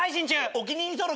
お気に入り登録。